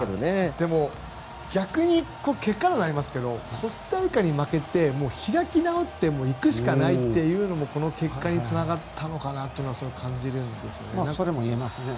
でも、逆に結果論になりますがコスタリカに負けて、開き直って行くしかないというのもこの結果につながったのかなと感じるんですよね。